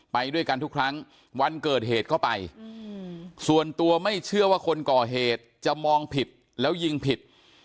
ไปด้วยกันทุกครั้งวันเกิดเหตุก็ไปส่วนตัวไม่เชื่อว่าคนก่อเหตุจะมองผิดแล้วยิงผิด